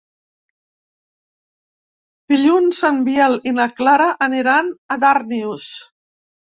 Dilluns en Biel i na Clara aniran a Darnius.